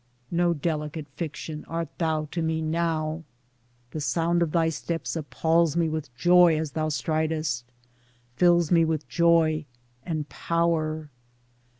No delicate fiction art thou to me now — the sound of thy steps appals me with joy as thou stridest — fills me with joy and power.